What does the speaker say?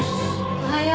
おはよう。